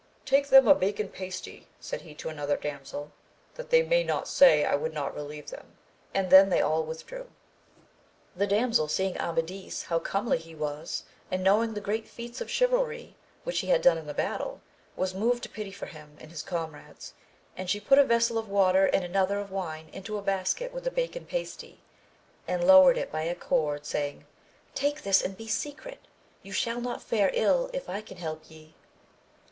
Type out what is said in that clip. Take them a bacon pasty, said he to another damsel^ that they may not say I would not relieve them, and then they all withdrew. That damsel seeing Amadis how comely he was, and knowing the great feats of chivalry which he had done in the battle, was moved to pity for him and his comrades, and she put a vessel of water and another of wine into a basket with the bacon pasty, and lowered it by a cord saying, take this and be secret, you shall not fare ill if I can help ye.